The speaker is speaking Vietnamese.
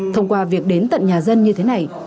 thông qua việc đến tận nhà dân như thế này